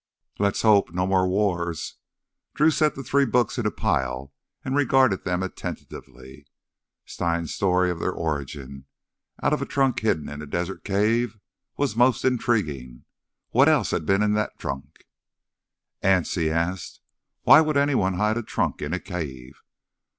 "Let's hope ... no more wars." Drew set the three books in a pile and regarded them attentively. Stein's story of their origin—out of a trunk hidden in a desert cave—was most intriguing. What else had been in that trunk? "Anse," he asked, "why would anyone hide a trunk in a cave?"